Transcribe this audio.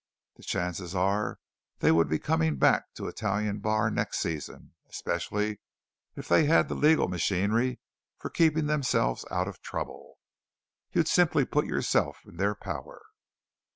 The chances are they would be coming back to Italian Bar next season, especially if they had the legal machinery for keeping themselves out of trouble. You'd simply put yourself in their power."